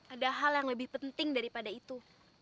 ada hal yang lebih penting daripada itu